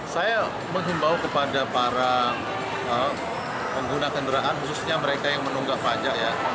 saya menghimbau kepada para pengguna kendaraan khususnya mereka yang menunggak pajak ya